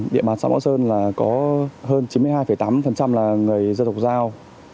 địa bàn xã mộ sơn là có hơn chín mươi hai tám là người dân tục giao